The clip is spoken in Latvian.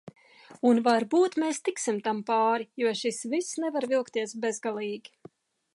Un varbūt mēs tiksim tam pāri, jo šis viss nevar vilkties bezgalīgi.